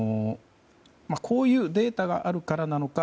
こういうデータがあるからなのか